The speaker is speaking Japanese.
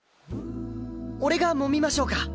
俺が揉みましょうか？